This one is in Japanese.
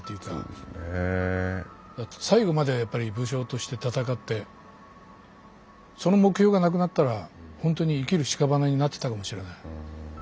だって最後までやっぱり武将として戦ってその目標がなくなったらほんとに生きる屍になってたかもしれない。